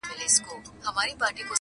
مقرر سوه دواړه سم یوه شعبه کي,